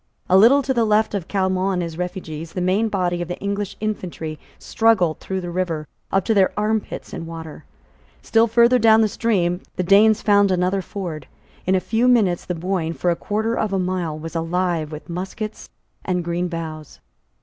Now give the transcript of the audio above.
A little to the left of Caillemot and his refugees, the main body of the English infantry struggled through the river, up to their armpits in water. Still further down the stream the Danes found another ford. In a few minutes the Boyne, for a quarter of a mile, was alive with muskets and green boughs.